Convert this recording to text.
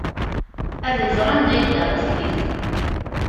Ad iẓer anda yedda laṣel-is.